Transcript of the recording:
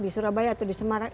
di surabaya atau di semarang